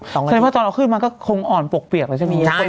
เชิญละเหรอว่าตอนเราขึ้นมาก็คงอ่อนปลวกเปียกเอาจับดิ